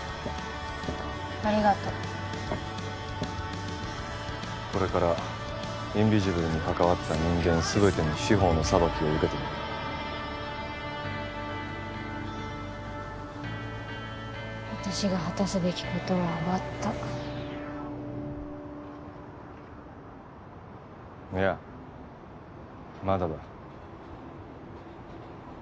ありがとうこれからインビジブルに関わった人間全てに司法の裁きを受けてもらう私が果たすべきことは終わったいやまだだ